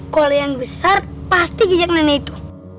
kalau yang besar pasti jejak nenek itu